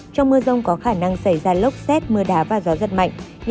trong mưa rông có khả năng xảy ra lốc xét mưa đá và gió giật mạnh